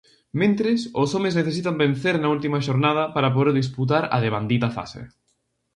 Mentres, os homes necesitan vencer na última xornada para poder disputar a devandita fase.